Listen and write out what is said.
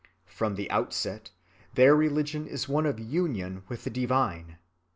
From the outset their religion is one of union with the divine.